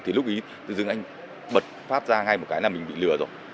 thì lúc ý tự dưng anh bật pháp ra ngay một cái là mình bị lừa rồi